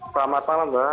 selamat malam mbak